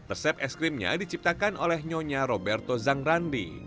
resep es krimnya diciptakan oleh nyonya roberto zangrandi